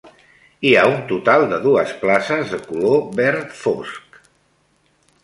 Hi ha un total de dues places, de color verd fosc.